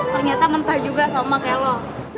ternyata mentah juga sama kayak lo